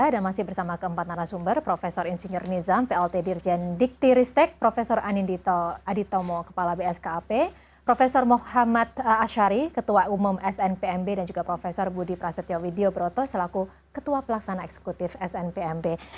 dan masih bersama keempat narasumber prof ingenior nizam plt dirjen dikty ristek prof anindito aditomo kepala bskp prof muhammad ashari ketua umum snpmb dan juga prof budi prasetyo widyo broto selaku ketua pelaksana eksekutif snpmb